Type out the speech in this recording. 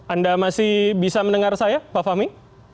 anda masih bisa mendengar saya pak fahmi